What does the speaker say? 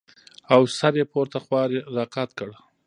او سر يې پورته خوا راقات کړ.